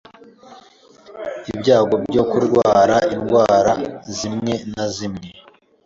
ibyago byo kurwara indwara zimwe na zimwe